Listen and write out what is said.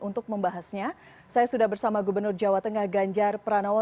untuk membahasnya saya sudah bersama gubernur jawa tengah ganjar pranowo